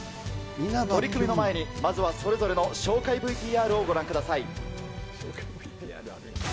取組の前に、まずはそれぞれの紹介ＶＴＲをご覧ください。